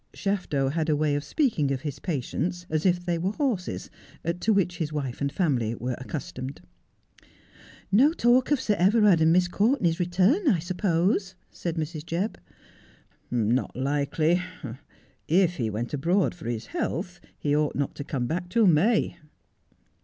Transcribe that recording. Shafto had a way of speaking of his patients as if they were horses, to which his wife and family were accustomed. 'No talk of Sir Everard and Miss Courtenay's return, I suppose ?' said Mrs. Jebb. ' Not likely. If he went abroad for his health he ought not to come back till May.'